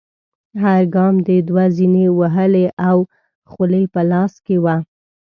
هر ګام دې دوه زینې وهلې او خولۍ په لاس کې وه.